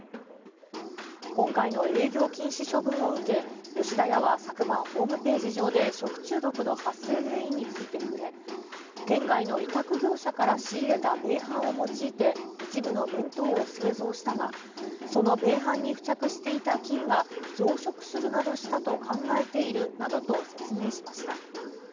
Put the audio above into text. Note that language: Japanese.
今回の営業禁止処分を受け、吉田屋は昨晩、ホームページ上で食中毒の発生原因について触れ、県外の委託業者から仕入れた米飯を用いて一部の弁当を製造したが、その米飯に付着していた菌が、増殖するなどしたと考えているなどと説明しました。